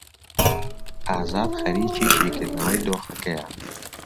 ئازاد خەریکی شیکردنەوەی دۆخەکەیە.